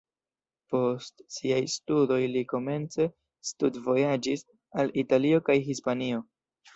Post siaj studoj li komence studvojaĝis al Italio kaj Hispanio.